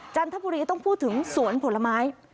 จันทบุรีต้องพูดถึงสวนผลไม้